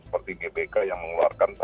seperti gbk yang mengeluarkan